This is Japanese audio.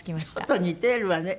ちょっと似ているわね。